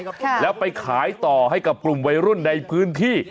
แล้วไปขายต่อให้กับกลุ่มวัยรุ่นในพื้นที่